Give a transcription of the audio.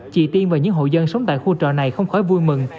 chị tiên và những hộ dân sống tại khu trọ này không khói vui mừng